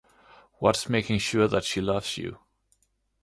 What's making you so sure that she loves you?